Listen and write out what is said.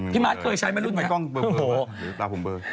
พี่มาศเคยใช้มารุ่นไหม